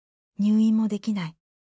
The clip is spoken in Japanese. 入院もできない。